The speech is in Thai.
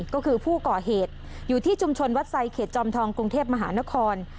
ก็คือผู้ก่อเหตุอยู่ที่ชุมชนวัดไซดเขตจอมทองกรุงเทพมหานคร